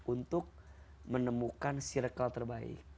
untuk menemukan circle terbaik